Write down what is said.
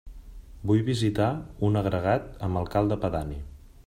Vull visitar un agregat amb alcalde pedani.